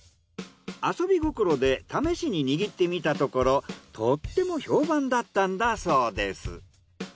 遊び心でためしに握ってみたところとっても評判だったんだそうです。